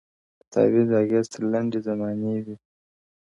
د تعویذ اغېز تر لنډي زمانې وي -